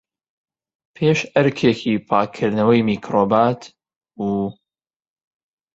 پێش ئەرکێکی پاکردنەوەی میکرۆبات، و